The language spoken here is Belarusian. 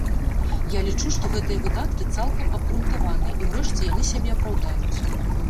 Я лічу, што гэтыя выдаткі цалкам абгрунтаваныя і ўрэшце яны сябе апраўдаюць.